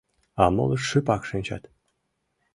А молышт шыпак шинчат.